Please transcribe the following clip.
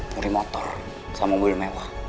muri motor sama mobil mewah